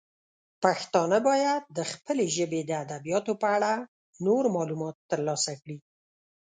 پښتانه باید د خپلې ژبې د ادبیاتو په اړه نور معلومات ترلاسه کړي.